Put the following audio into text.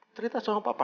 cerita sama bapak